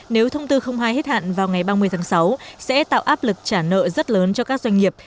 nếu thông tư hai hết hạn vào ngày ba mươi tháng sáu sẽ tạo áp lực trả nợ rất lớn cho các doanh nghiệp